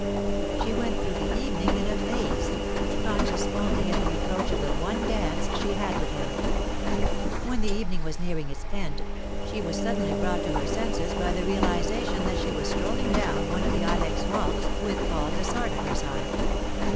She went through the evening in a maze, conscious only of the approach of the one dance she had with him. When the evening was nearing its end she was suddenly brought to her senses by the realization that she was strolling down one of the ilex walks with Paul Dessart at her side.